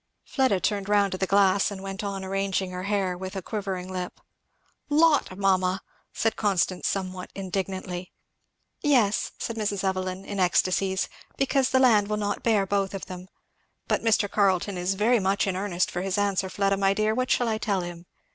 Fleda turned round to the glass, and went on arranging her hair, with a quivering lip. "Lot, mamma!" said Constance somewhat indignantly. "Yes," said Mrs. Evelyn in ecstacies, "because the land will not bear both of them. But Mr. Carleton is very much in earnest for his answer, Fleda my dear what shall I tell him?